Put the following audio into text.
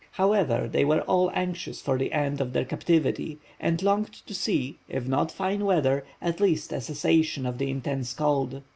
However, they were all anxious for the end of their captivity, and longed to see, if not fine weather, at least a cessation of the intense cold.